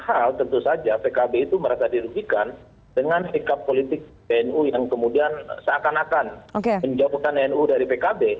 hal tentu saja pkb itu merasa dirugikan dengan sikap politik nu yang kemudian seakan akan menjauhkan nu dari pkb